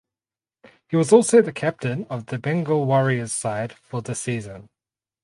He was also the captain of the Bengal Warriors side for the season.